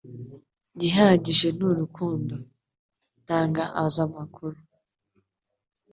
gihagije ni urukundo. Itanga azamakuru